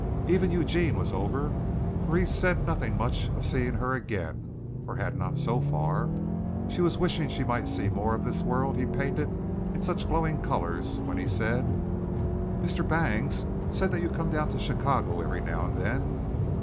Even Eugene was over, for he said nothing much of seeing her again, or had not so far. She was wishing she might see more of this world he painted in such glowing colors, when he said: "Mr. Bangs said that you come down to Chicago every now and then?"